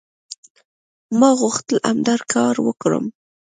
ما غوښتل همدا کار وکړم".